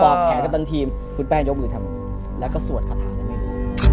ปลอบแขนก็ตันทีคุณแป้งยกมือถามแล้วก็สวดขาดหาดก็ไม่รู้